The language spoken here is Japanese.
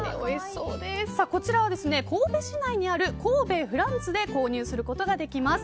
こちらは神戸市内にある神戸フランツで購入することができます。